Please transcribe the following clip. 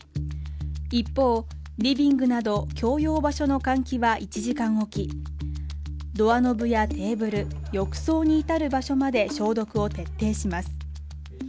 一方リビングなど共用場所の換気は１時間おきドアノブやテーブル、浴槽に至る場所まで消毒を徹底します